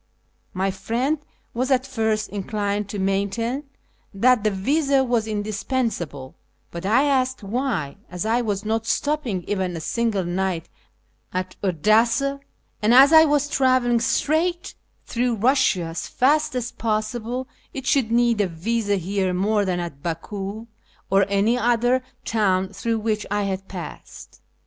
My friend was at first inclined to maintain that the visa was indispensable, but I asked why, as I was not stopping even a single night at Odessa, and as I was travelling straight through Eussia as fast as possible, it should need a visa here more than at Baku or any other town through which I had passed.